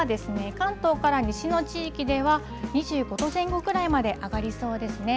関東から西の地域では２５度前後くらいまで上がりそうですね。